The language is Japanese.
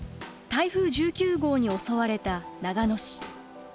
台風１９号に襲われた長野市。